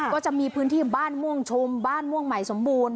ก็จะมีพื้นที่บ้านม่วงชมบ้านม่วงใหม่สมบูรณ